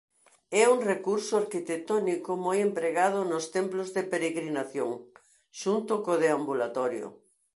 É un recurso arquitectónico moi empregado nos templos de peregrinación xunto co deambulatorio.